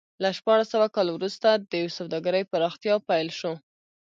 له شپاړس سوه کال وروسته د سوداګرۍ پراختیا پیل شو.